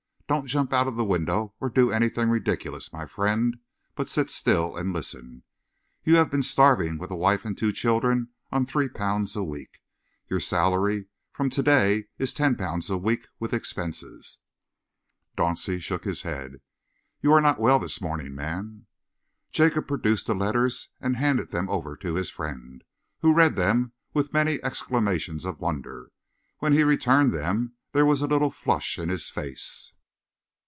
"Don't jump out of the window or do anything ridiculous, my friend, but sit still and listen. You have been starving with a wife and two children on three pounds a week. Your salary from to day is ten pounds a week, with expenses." Dauncey shook his head. "You are not well this morning, man." Jacob produced the letters and handed them over to his friend, who read them with many exclamations of wonder. When he returned them, there was a little flush in his face.